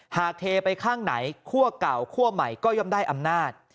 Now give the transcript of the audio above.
เทไปข้างไหนคั่วเก่าคั่วใหม่ก็ย่อมได้อำนาจ